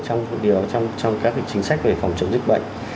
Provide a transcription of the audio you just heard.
trong các chính sách về phòng chống dịch bệnh